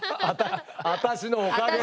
私のおかげで。